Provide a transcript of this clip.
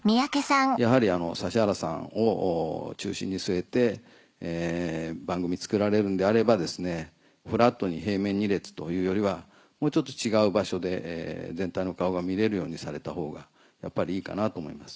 やはり指原さんを中心に据えて番組作られるんであればフラットに平面２列というよりはもうちょっと違う場所で全体の顔が見れるようにされたほうがやっぱりいいかなと思います。